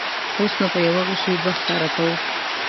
اوس نو په یوه غیشي دوه ښکاره کوو.